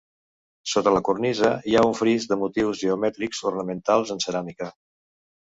Sota la cornisa hi ha un fris de motius geomètrics ornamentals en ceràmica.